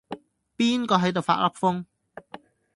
邊個係度發噏風